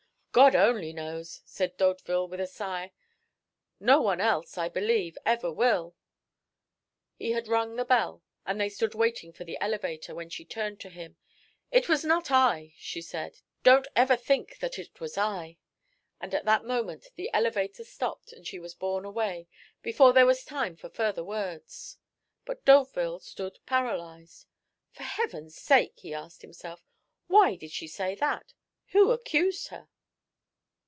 "God only knows!" said D'Hauteville, with a sigh. "No one else, I believe, ever will." He had rung the bell, and they stood waiting for the elevator, when she turned to him. "It was not I," she said, "don't ever think that it was I." And at that moment the elevator stopped and she was borne away, before there was time for further words. But D'Hauteville stood paralyzed. "For Heaven's sake," he asked himself, "why did she say that? Who accused her?"